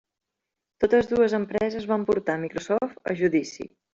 Totes dues empreses van portar Microsoft a judici.